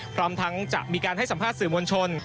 พร้อมทั้งจะมีการให้สัมภาษณ์สื่อมวลชน